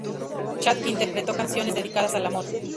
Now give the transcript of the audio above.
Chad interpretó canciones dedicadas al amor.